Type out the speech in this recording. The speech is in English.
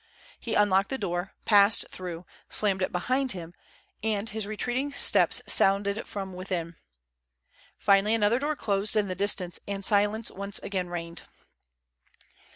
He unlocked the door, passed through, slammed it behind him, and his retreating steps sounded from within. Finally another door closed in the distance and silence again reigned.